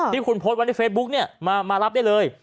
ที่คุณโพสต์ไว้ในเฟซบุ๊กเนี่ยมารับได้เลย